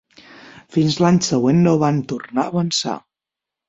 Fins l'any següent no van tornar a avançar.